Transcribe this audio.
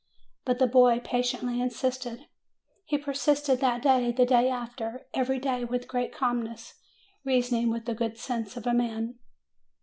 But the boy patiently insisted. He persisted that day, the day after, every day, with great calmness, reasoning with the good sense of a man.